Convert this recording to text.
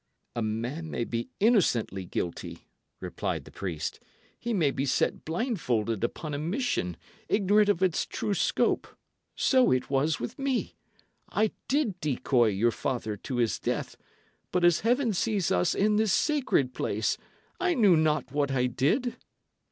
"A man may be innocently guilty," replied the priest. "He may be set blindfolded upon a mission, ignorant of its true scope. So it was with me. I did decoy your father to his death; but as Heaven sees us in this sacred place, I knew not what I did."